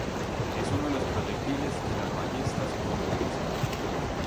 Es uno de los proyectiles que las ballestas pueden utilizar.